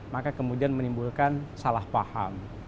maka kemudian menimbulkan salah paham